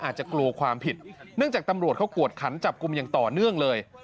อาจจะกลัวความผิดเนื่องจากตำรวจเขากวดขันจับกลุ่มอย่างต่อเนื่องเลย